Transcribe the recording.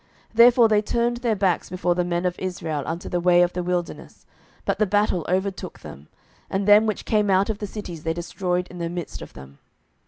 07:020:042 Therefore they turned their backs before the men of Israel unto the way of the wilderness; but the battle overtook them; and them which came out of the cities they destroyed in the midst of them.